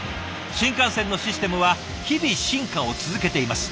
新幹線のシステムは日々進化を続けています。